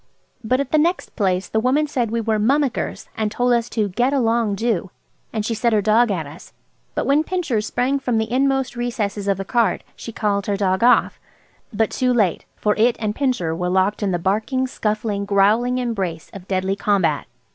But at the next place the woman said we were "mummickers," and told us to "get along, do." And she set her dog at us; but when Pincher sprang from the inmost recesses of the cart she called her dog off. But too late, for it and Pincher were locked in the barking, scuffling, growling embrace of deadly combat.